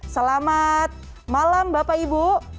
selamat malam bapak ibu